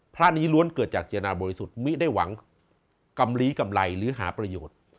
พระนี้ล้วนเกิดจากเจตนาบริสุทธิ์มิได้หวังกำลีกำไรหรือหาประโยชน์